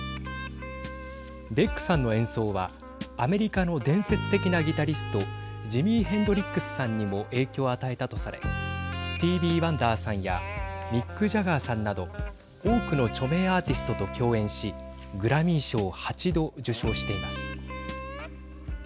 ベックさんの演奏はアメリカの伝説的なギタリストジミ・ヘンドリックスさんにも影響を与えたとされスティービー・ワンダーさんやミック・ジャガーさんなど多くの著名アーティストと共演しグラミー賞を８度受賞しています。